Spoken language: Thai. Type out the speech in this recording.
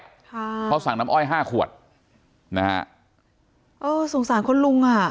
ค่ะเขาสั่งน้ำอ้อยห้าขวดนะฮะเออสงสารคุณลุงอ่ะ